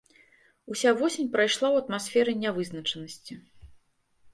Уся восень прайшла ў атмасферы нявызначанасці.